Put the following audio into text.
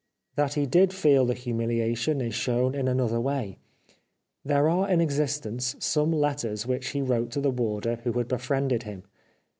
That he did feel the humiliation is shown in another way. There are in existence some letters which he wrote to the warder who had befriended him.